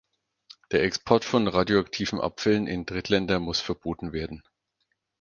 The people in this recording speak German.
Der Export von radioaktiven Abfällen in Drittländer muss verboten werden.